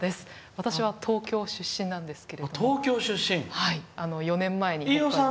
私は東京出身なんですけど４年前に。